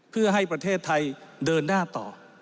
เพื่อให้ประเทศไทยเดินหน้าต่อ